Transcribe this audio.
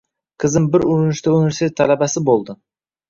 Qizim bir urinishda universitet talabasi bo`ldi